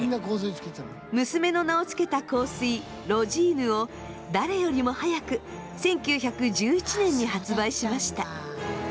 娘の名を付けた香水ロジーヌを誰よりも早く１９１１年に発売しました。